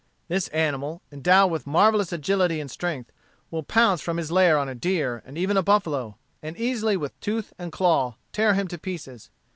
This animal, endowed with marvellous agility and strength, will pounce from his lair on a deer, and even a buffalo, and easily with tooth and claw tear him to pieces.